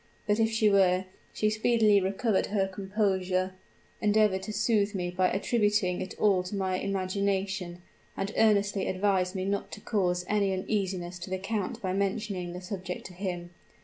But if she were, she speedily recovered her composure endeavored to soothe me by attributing it all to my imagination, and earnestly advised me not to cause any uneasiness to the count by mentioning the subject to him.